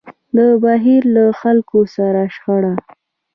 د بهير له خلکو سره شخړه.